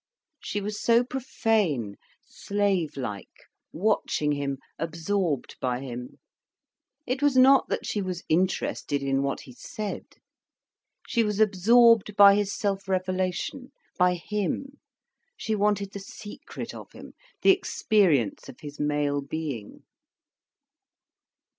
She was so profane, slave like, watching him, absorbed by him. It was not that she was interested in what he said; she was absorbed by his self revelation, by him, she wanted the secret of him, the experience of his male being.